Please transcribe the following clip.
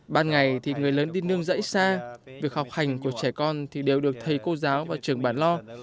ban ngày thì người lớn đi nương dãy xa việc học hành của trẻ con thì đều được thầy cô giáo và trường bản lo